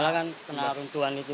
malah kan penarung tuhan itu